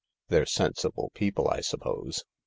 "They're sensible people, I suppose